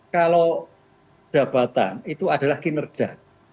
kalau jabatan itu adalah kinerja